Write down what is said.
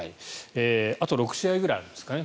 あと６試合ぐらいあるんですかね。